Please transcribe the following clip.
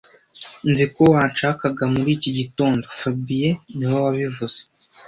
Nzi ko wanshakaga muri iki gitondo fabien niwe wabivuze